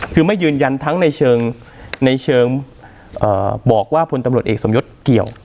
คือไม่ยืนยันทั้งในเชิงในเชิงบอกว่าพลตำรวจเอกสมยศเกี่ยว